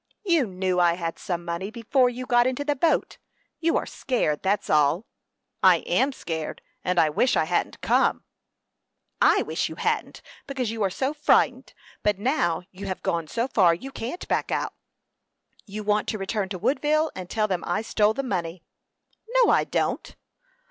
"You knew I had some money before you got into the boat. You are scared that's all." "I am scared, and I wish I hadn't come." "I wish you hadn't, because you are so frightened; but now you have gone so far, you can't back out. You want to return to Woodville, and tell them I stole the money." "No, I don't."